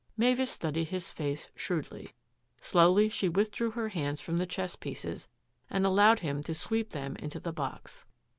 Mavis studied his face shrewdly. Slowly she withdrew her hands from the chess pieces and al lowed him to sweep them into the box.